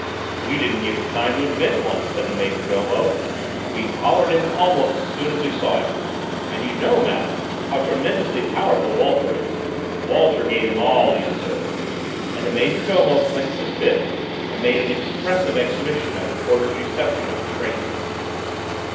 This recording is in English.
"We didn't give him time to invent one," said the major domo. "We collared him almost as soon as we saw him. And you know, madame, how tremendously powerful Walter is: Walter gave him all he deserved!" and the major domo clenched his fists and made an expressive exhibition of the porter's reception of the stranger.